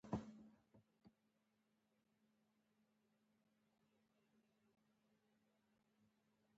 په همدې غوړو مو ګوزاره ده.